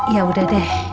ya udah deh